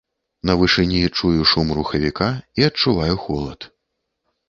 На вышыні чую шум рухавіка і адчуваю холад.